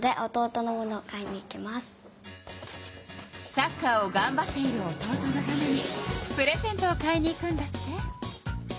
サッカーをがんばっている弟のためにプレゼントを買いに行くんだって。